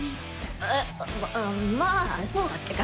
えっまあそうだっけか。